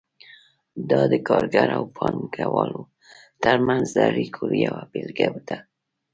دا د کارګر او پانګه وال ترمنځ د اړیکو یوه بیلګه ده.